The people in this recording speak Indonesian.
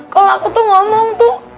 kalau aku tuh ngomong tuh